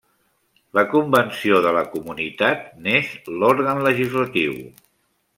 La convenció de la comunitat n'és l'òrgan legislatiu.